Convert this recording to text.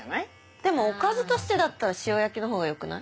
でもおかずとしてだったら塩焼きのほうがよくない？